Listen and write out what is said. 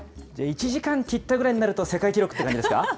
１時間切ったぐらいになると、世界記録っていう感じですか？